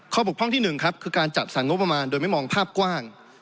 บกพร่องที่๑ครับคือการจัดสรรงบประมาณโดยไม่มองภาพกว้าง